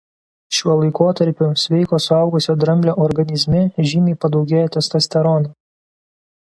Šiuo laikotarpiu sveiko suaugusio dramblio organizme žymiai padaugėja testosterono.